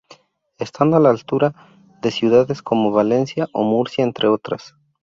Estando a la altura de ciudades como Valencia o Murcia entre otras.